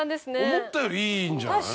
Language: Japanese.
思ったよりいいんじゃない？